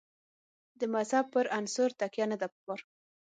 د مذهب پر عنصر تکیه نه ده په کار.